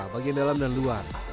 bagian dalam dan luar